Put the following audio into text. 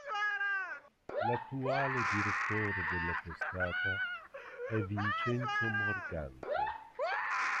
L'attuale direttore della testata è Vincenzo Morgante.